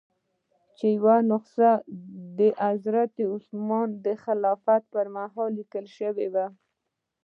چې یوه نسخه د حضرت عثمان د خلافت په مهال لیکل شوې وه.